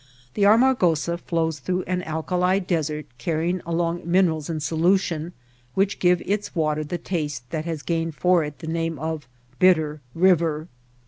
The Armagosa flows through an alkali desert carrying along minerals in solution, which give its water the taste that has gained for it the name of Bitter River.